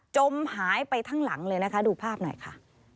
จมหายไปทั้งหลังเลยนะคะดูภาพหน่อยค่ะ